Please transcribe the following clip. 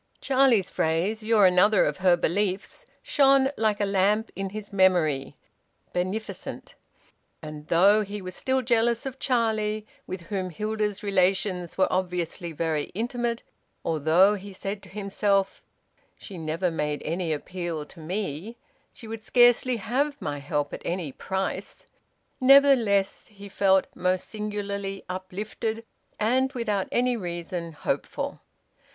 Charlie's phrase, `You're another of her beliefs,' shone like a lamp in his memory, beneficent. And though he was still jealous of Charlie, with whom Hilda's relations were obviously very intimate; although he said to himself, `She never made any appeal to me, she would scarcely have my help at any price;' nevertheless he felt most singularly uplifted and, without any reason, hopeful.